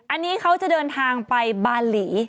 อันนี้เขาจะเดินทางไปบาหลี